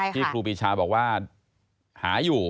ครูปีชาบอกว่าหาอยู่